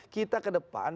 kita ke depan